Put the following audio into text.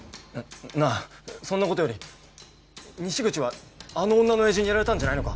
ななあそんなことより西口はあの女の親父にやられたんじゃないのか？